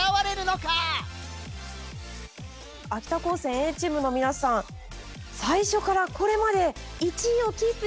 秋田高専Ａチームの皆さん最初からこれまで１位をキープできていますね。